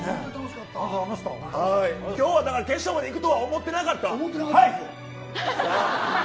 今日は決勝までいくと思ってなかった。